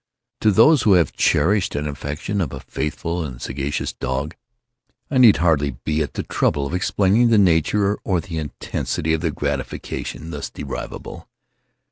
To those who have cherished an affection for a faithful and sagacious dog, I need hardly be at the trouble of explaining the nature or the intensity of the gratification thus derivable.